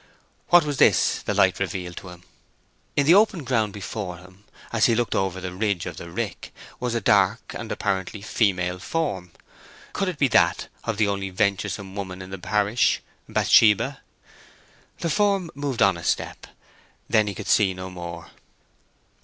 What was this the light revealed to him? In the open ground before him, as he looked over the ridge of the rick, was a dark and apparently female form. Could it be that of the only venturesome woman in the parish—Bathsheba? The form moved on a step: then he could see no more.